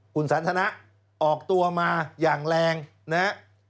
คุณสันทนะออกตัวมาอย่างแรงนะฮะ